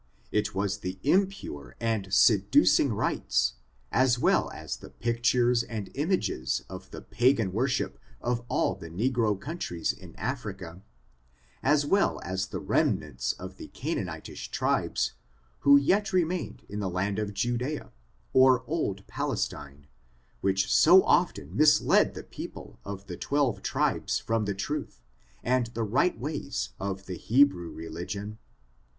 It was the impure and seducing rites, as well as the pictures and images of the pagan worship of all the negro countries in Africa, as well as the rem nauts of the Canaanitish tribes, who yet remained in the land of Judea, or old Palestine, which so often I 192 ORIGIN, CHARACTER, AND misled the people of the twelve tribes from truth, and the right ways of the Hebrew religion.